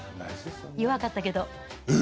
弱かったけど。